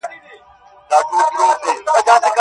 د چا دغه د چا هغه ورته ستايي.!